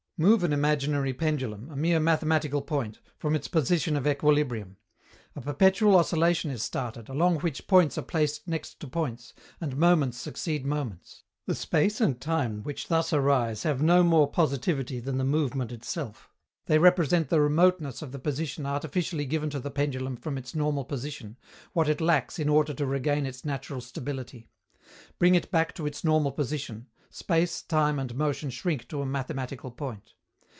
Move an imaginary pendulum, a mere mathematical point, from its position of equilibrium: a perpetual oscillation is started, along which points are placed next to points, and moments succeed moments. The space and time which thus arise have no more "positivity" than the movement itself. They represent the remoteness of the position artificially given to the pendulum from its normal position, what it lacks in order to regain its natural stability. Bring it back to its normal position: space, time and motion shrink to a mathematical point.